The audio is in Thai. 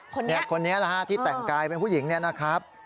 คนนี้นะฮะที่แต่งกายเป็นผู้หญิงเนี่ยนะครับ